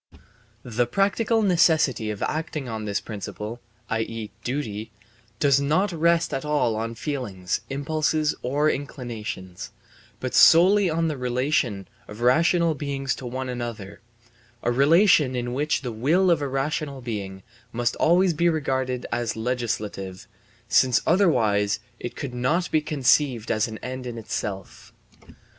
The practical necessity of acting on this principle, i.e., duty, does not rest at all on feelings, impulses, or inclinations, but solely on the relation of rational beings to one another, a relation in which the will of a rational being must always be regarded as legislative, since otherwise it could not be conceived as an end in itself.